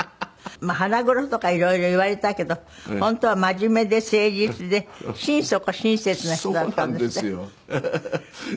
腹黒とか色々言われたけど本当は真面目で誠実で心底親切な人だったんですって？